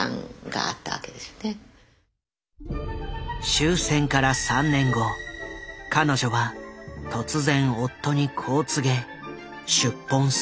終戦から３年後彼女は突然夫にこう告げ出奔する。